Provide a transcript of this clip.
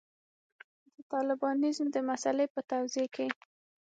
د طالبانیزم د مسألې په توضیح کې.